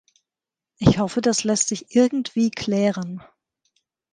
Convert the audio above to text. Ich hoffe, das lässt sich irgendwie klären.